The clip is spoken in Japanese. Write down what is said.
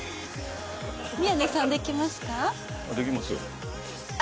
宮根さん出来ますか？